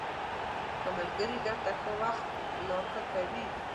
ښه ملگري درته ښه وخت لا ښه کوي